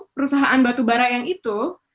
perusahaan batubara yang itu